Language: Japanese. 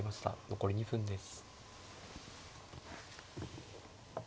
残り２分です。